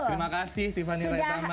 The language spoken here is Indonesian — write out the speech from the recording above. terima kasih tiffany raisama